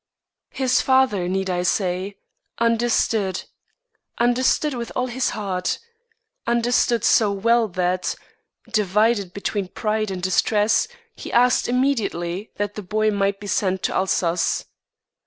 His father, need I say, understood understood with all his heart understood so well that, divided between pride and distress, he asked immediately that the boy might be sent to Alsace.